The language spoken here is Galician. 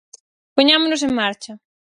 Poñámonos en marcha!